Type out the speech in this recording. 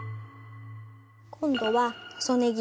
今度は細ねぎ。